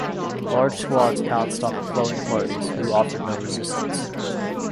Large squads pounced on the ploughing parties, who offered no resistance.